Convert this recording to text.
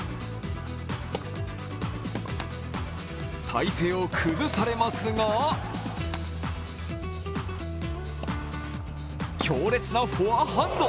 体勢を崩されますが強烈なフォアハンド！